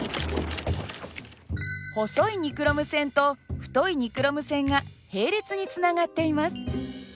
細いニクロム線と太いニクロム線が並列につながっています。